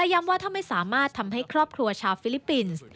ย้ำว่าถ้าไม่สามารถทำให้ครอบครัวชาวฟิลิปปินส์